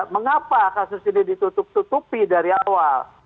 mengapa kasus ini ditutup tutupi dari awal